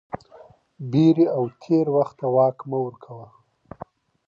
وېرې او تېر وخت ته واک مه ورکوه